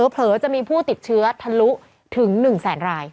เผลอจะมีผู้ติดเชื้อทะลุถึง๑แสนราย